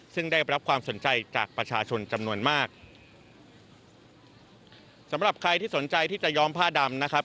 ซึ่งได้รับความสนใจจากประชาชนจำนวนมากสำหรับใครที่สนใจที่จะย้อมผ้าดำนะครับ